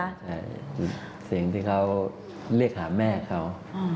ใช่คือเสียงที่เขาเรียกหาแม่เขา